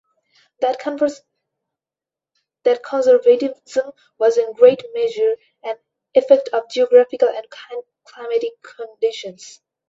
That conservatism was in great measure an effect of geographical and climatic conditions.